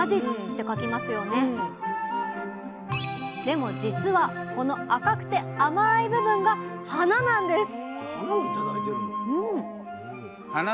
でもじつはこの赤くて甘い部分が花なんです！